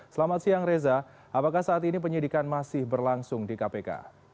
selamat siang reza apakah saat ini penyidikan masih berlangsung di kpk